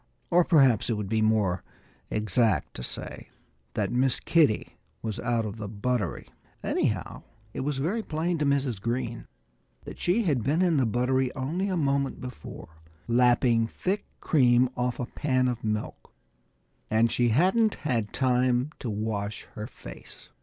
Or perhaps it would be more exact to say that Miss Kitty was out of the buttery. Anyhow, it was very plain to Mrs. Green that she had been in the buttery only a moment before, lapping thick cream off a pan of milk. And she hadn't had time to wash her face.